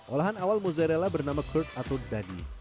olahan awal mozzarella bernama curd atau dadi